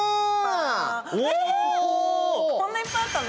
こんないっぱいあったの？